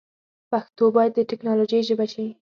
پښتو باید د ټیکنالوجۍ ژبه شي.